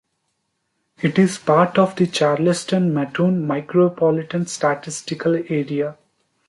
It is part of the Charleston-Mattoon Micropolitan Statistical Area.